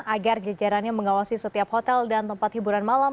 agar jajarannya mengawasi setiap hotel dan tempat hiburan malam